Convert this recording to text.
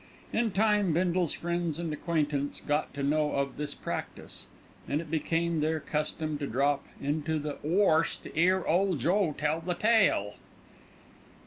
In time Bindle's friends and acquaintance got to know of this practice, and it became their custom to drop into "the 'Orse to 'ear ole Joe tell the tale."